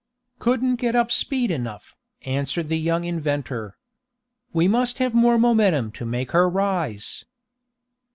"Couldn't get up speed enough," answered the young inventor. "We must have more momentum to make her rise."